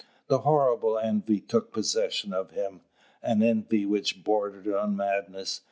A horrible envy took possession of him an envy which bordered on madness.